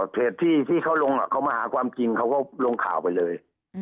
เพจที่เขาลงเขามาหาความจริงเขาก็ลงข่าวไปเลย